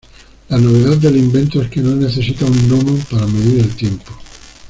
La novedad del invento es que no necesita un gnomon para medir el tiempo.